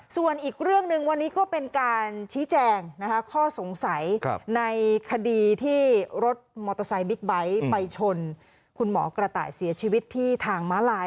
ส่วนอีกเรื่องหนึ่งวันนี้ก็เป็นการชี้แจงข้อสงสัยในคดีที่รถมอเตอร์ไซค์บิ๊กไบท์ไปชนคุณหมอกระต่ายเสียชีวิตที่ทางม้าลาย